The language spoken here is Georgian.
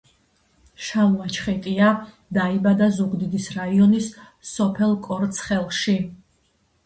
შალვა ჩხეტია დაიბადა ზუგდიდის რაიონის სოფელ კორცხელში.